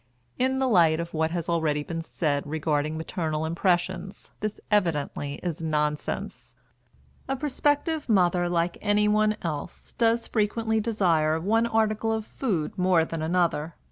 In the light of what has already been said regarding maternal impressions, this evidently is nonsense. A prospective mother, like anyone else, does frequently desire one article of food more than another.